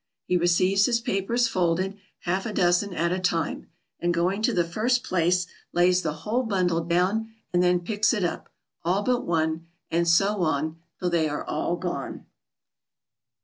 He receives his papers folded, half a dozen at a time, and going to the first place, lays the whole bundle down, and then picks it up, all but one, and so on till they are all gone."